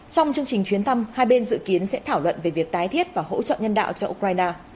trong chương trình chuyến thăm hai bên dự kiến sẽ thảo luận về việc tái thiết và hỗ trợ nhân đạo cho ukraine